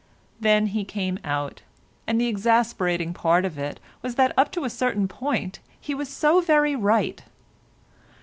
Then he came out, and the exasperating part of it was that up to a certain point he was so very right.